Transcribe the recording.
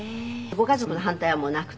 ご家族の反対はもうなくて？